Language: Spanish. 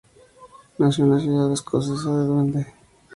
Nació en la ciudad escocesa de Dundee.